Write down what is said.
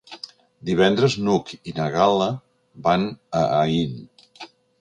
Divendres n'Hug i na Gal·la van a Aín.